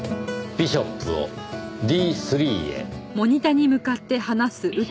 「ビショップをｅ７へ」